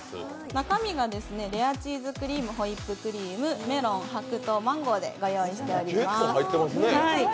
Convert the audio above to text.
中身がレアチーズクリームホイップクリーム、メロン、白桃、マンゴーでご用意しております。